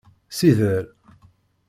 Sider.